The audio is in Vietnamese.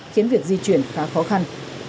khiến việc di chuyển khá khó khăn